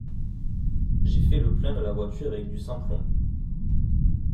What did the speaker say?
J’ai fait le plein de la voiture avec du sans-plomb.